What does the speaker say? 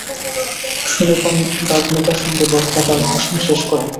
সুনিপুণ বাগ্মিতার সঙ্গে বক্তা তাঁর ভাষণ শেষ করেন।